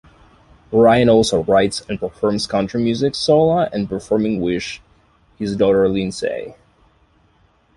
Ryan also writes and performs country music solo and performing with his daughter Lynsay.